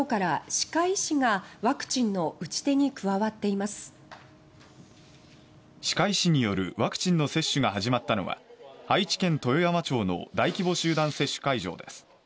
歯科医師によるワクチン接種が始まったのは愛知県豊山町の大規模集団接種会場です。